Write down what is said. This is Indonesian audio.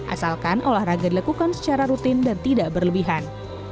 asalkan olahraga dilakukan secara rutin dan tidak berlebihan